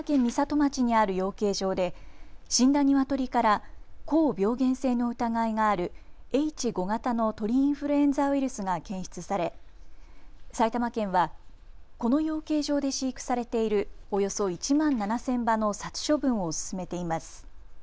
町にある養鶏場で死んだニワトリから高病原性の疑いがあるＨ５型の鳥インフルエンザウイルスが検出され埼玉県はこの養鶏場で飼育されているおよそ１万７０００羽の殺処分を進めています。